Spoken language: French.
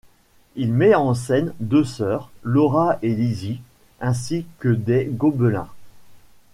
Il met en scène deux sœurs, Laura et Lizzie, ainsi que des gobelins.